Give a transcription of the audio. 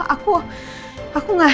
aku aku gak